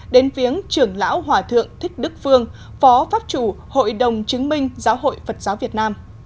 đến viếng trưởng lão hòa thượng thích đức phương phó pháp chủ hội đồng chứng minh giáo hội phật giáo việt nam